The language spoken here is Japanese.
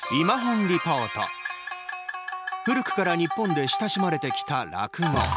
古くから日本で親しまれてきた落語。